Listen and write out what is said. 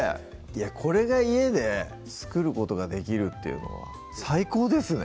これが家で作ることができるっていうのは最高ですね